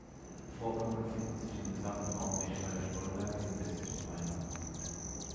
Vorkommen finden sich im gesamten Raum Eschweiler-Stolberg im westlichen Rheinland.